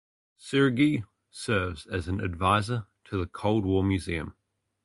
Sergei serves as an advisor to the Cold War Museum.